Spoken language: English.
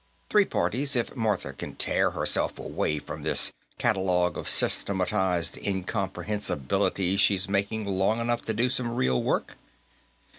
Three parties, if Martha can tear herself away from this catalogue of systematized incomprehensibilities she's making long enough to do some real work."